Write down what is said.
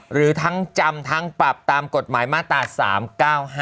หรือทั้งจำทั้งปรับตามกฎหมายมาตรา๓๙๕